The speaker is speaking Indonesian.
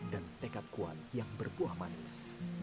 dan tekad kuat yang berbuah manis